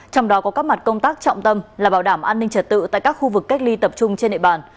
trong đó có các mặt công tác trọng tâm là bảo đảm an ninh trật tự tại các khu vực cách ly tập trung trên địa bàn